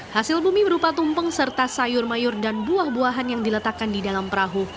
hasil bumi berupa tumpeng serta sayur mayur dan buah buahan yang diletakkan di dalam perahu